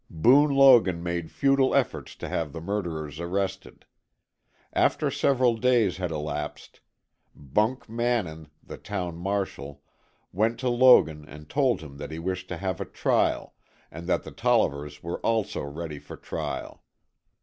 Boone Logan made futile efforts to have the murderers arrested. After several days had elapsed, Bunk Mannin, the town marshal, went to Logan and told him that he wished to have a trial, and that the Tollivers were also ready for trial.